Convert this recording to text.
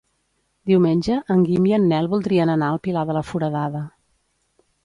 Diumenge en Guim i en Nel voldrien anar al Pilar de la Foradada.